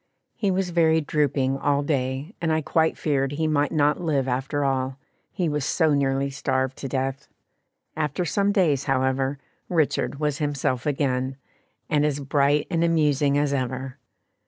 He was very drooping all day, and I quite feared he might not live after all, he was so nearly starved to death. After some days, however, "Richard was himself again," and as bright and amusing as ever.